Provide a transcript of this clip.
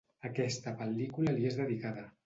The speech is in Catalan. Aquesta pel·lícula li és dedicada.